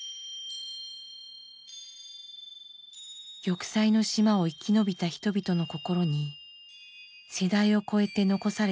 玉砕の島を生き延びた人々の心に世代を超えて残された傷痕。